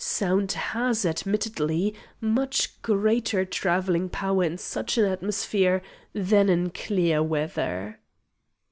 Sound has admittedly much greater travelling power in such an atmosphere than in clear weather."